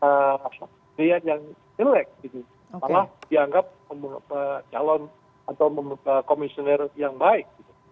malah dianggap calon atau komisioner yang baik